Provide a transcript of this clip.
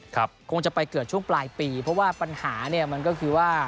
คงจะไปเกิดช่วงปลายปีเพราะว่าปัญหาเนี่ยมันก็คือว่า